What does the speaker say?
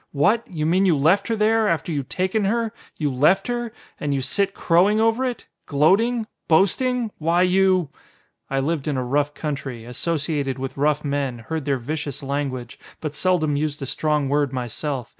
"What! You mean you left her there! After you'd taken her, you left her! And here you sit crowing over it! Gloating! Boasting! Why you !" I lived in a rough country. Associated with rough men, heard their vicious language, but seldom used a strong word myself.